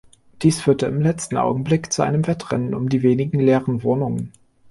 Dies führte im letzten Augenblick zu einem Wettrennen um die wenigen leeren Wohnungen.